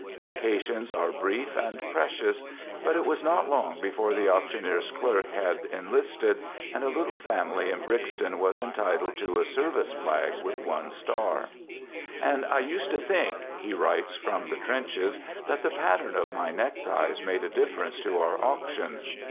Vacations are brief and precious. But it was not long before the auctioneer's clerk had enlisted, and a little family in Brixton was entitled to a service flag with one star. 88 "THE GOOD SOLDIER" "And I used to think," he writes from the trenches, " that the pattern of my neckties made a difference to our auctions!"